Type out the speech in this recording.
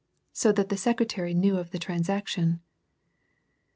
So that the secretary knew of the transaction."